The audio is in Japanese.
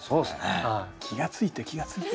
気が付いて気が付いて。